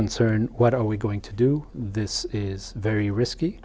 kita mengerti strategi